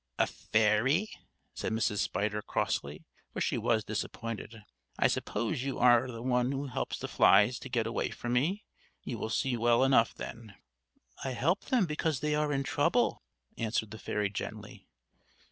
"A fairy!" said Mrs. Spider crossly, for she was disappointed; "I suppose you are the one who helps the flies to get away from me. You see well enough then!" "I help them because they are in trouble," answered the fairy gently.